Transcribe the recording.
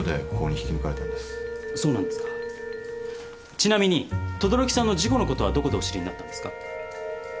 ちなみに等々力さんの事故のことはどこでお知りになったんですか？